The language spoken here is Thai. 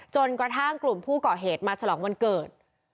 จนกระทั่งกลุ่มผู้ก่อเหตุมาฉลองวันเกิด